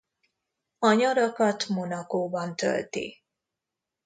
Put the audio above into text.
A nyarakat Monacoban tölti.